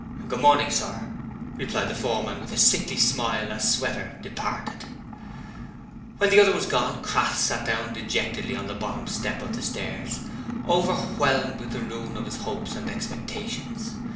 'Good morning, sir,' replied the foreman with a sickly smile as Sweater departed. When the other was gone, Crass sat down dejectedly on the bottom step of the stairs, overwhelmed with the ruin of his hopes and expectations.